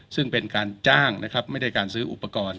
ซึ่งเป็นการจ้างนะครับไม่ได้การซื้ออุปกรณ์